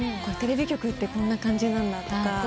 テレビ局ってこんな感じなんだとか。